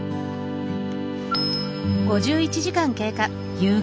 夕方。